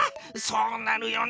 そうなるよね。